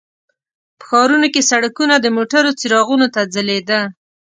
په ښارونو کې سړکونه د موټرو څراغونو ته ځلیده.